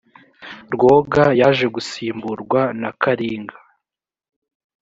rwoga yaje gusimburwa na karinga